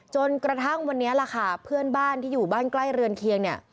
จนกระทั่งวันนี้ล่ะค่ะเพื่อนบ้านที่อยู่บ้านใกล้เรือนเคียงเนี่ย